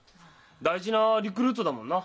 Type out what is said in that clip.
大事なリクルートだもんな。